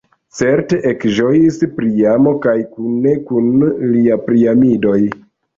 Certe, ekĝojos Priamo kaj kune kun li Priamidoj.